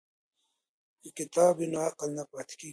که کتاب وي نو عقل نه پاتیږي.